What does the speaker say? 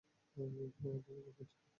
কী আজেবাজে বকছো।